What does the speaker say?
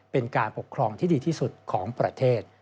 เป็นการปกครองที่ดีที่สุดของประเทศ